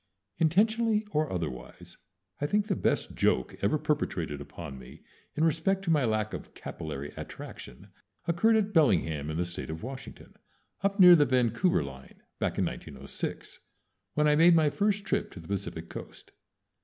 Intentionally or otherwise, I think the best joke ever perpetrated upon me in respect to my lack of capillary attraction occurred at Bellingham, in the State of Washington, up near the Vancouver line, back in 1906, when I made my first trip to the Pacific Coast.